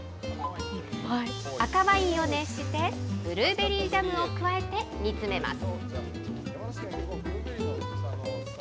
赤ワインを熱して、ブルーベリージャムを加えて煮詰めます。